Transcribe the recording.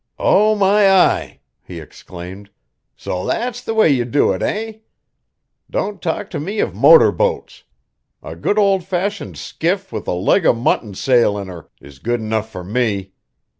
"Oh, my eye!" he exclaimed. "So that's the way you do it, eh? Don't talk to me of motor boats! A good old fashioned skiff with a leg o' mutton sail in her is good enough fur me.